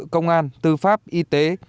công an tư pháp y tế